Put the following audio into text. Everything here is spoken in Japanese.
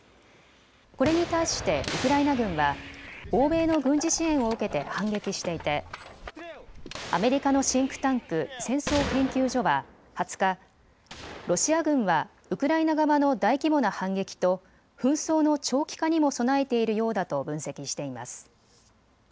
これに対してウクライナ軍は欧米の軍事支援を受けて反撃していてアメリカのシンクタンク、戦争研究所は２０日、ロシア軍はウクライナ側の大規模な反撃と紛争の長期化にも備えているようだと分析しています。